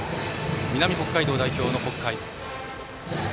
南北海道代表の北海。